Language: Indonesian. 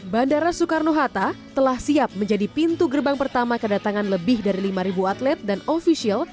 bandara soekarno hatta telah siap menjadi pintu gerbang pertama kedatangan lebih dari lima atlet dan ofisial